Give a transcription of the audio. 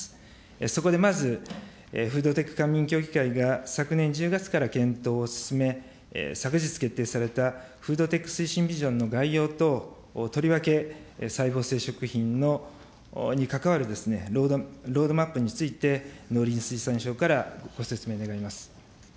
そこでまずフードテック官民協議会が昨年１０月から検討を進め、昨日決定されたフードテック推進ビジョンの概要等、とりわけ細胞性食品にかかわるロードマップについて、農林水産省からご説明願います。